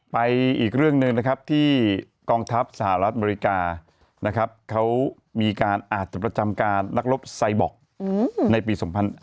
อีกเรื่องหนึ่งนะครับที่กองทัพสหรัฐอเมริกานะครับเขามีการอาจจะประจำการนักรบไซบอกในปี๒๕๕๙